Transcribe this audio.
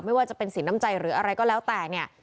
ไม่ว่าจะเป็นสินน้ำใจหรืออะไรก็แล้วแต่เนี่ย